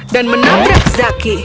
dan menabrak zaki